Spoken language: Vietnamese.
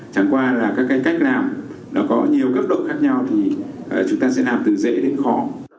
chẳng qua là các cái cách làm nó có nhiều cấp độ khác nhau thì chúng ta sẽ làm từ dễ đến khó